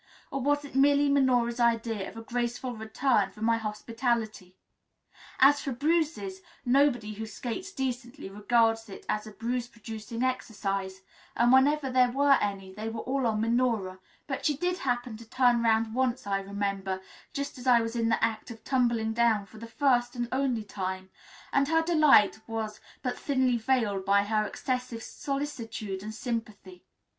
Or was it merely Minora's idea of a graceful return for my hospitality? As for bruises, nobody who skates decently regards it as a bruise producing exercise, and whenever there were any they were all on Minora; but she did happen to turn round once, I remember, just as I was in the act of tumbling down for the first and only time, and her delight was but thinly veiled by her excessive solicitude and sympathy.